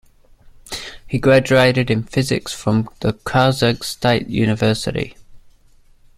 He graduated in physics from the Kyrgyz State University.